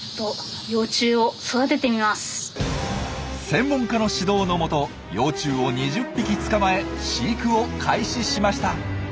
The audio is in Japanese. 専門家の指導のもと幼虫を２０匹捕まえ飼育を開始しました。